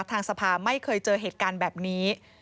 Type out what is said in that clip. ทางสภาไม่เคยเจอเหตุการณ์แบบนี้